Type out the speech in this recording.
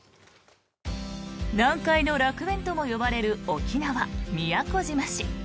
南海の楽園とも呼ばれる沖縄・宮古島市。